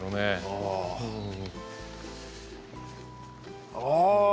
ああ！